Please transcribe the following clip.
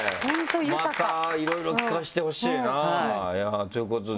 またいろいろ聞かせてほしいな。ということで。